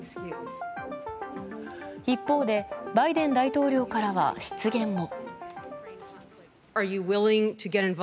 一方で、バイデン大統領からは失言も。